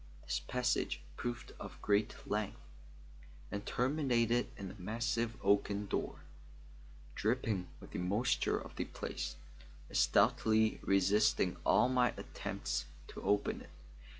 This passage proved of great length, and terminated in a massive oaken door, dripping with the moisture of the place, and stoutly resisting all my attempts to open it.